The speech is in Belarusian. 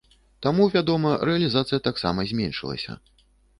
Таму, вядома, рэалізацыя таксама зменшылася.